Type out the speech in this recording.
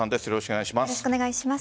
よろしくお願いします。